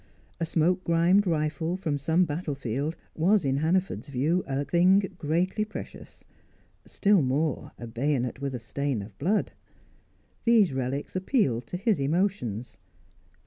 A smoke grimed rifle from some battlefield was in Hannaford's view a thing greatly precious; still more, a bayonet with stain of blood; these relics appealed to his emotions.